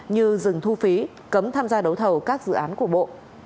như dừng thu phí cấm tham gia đấu thầu các dự án của bộ